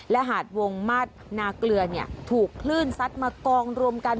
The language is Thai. และหาดวงมาตรนาเกลือถูกคลื่นซัดมากองรวมกัน